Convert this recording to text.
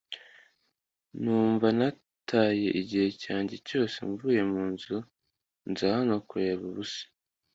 numva nataye igihe cyanjye cyose mvuye munzu nza hano kureba ubusa,